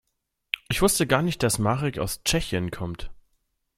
Ich wusste gar nicht, dass Marek aus Tschechien kommt.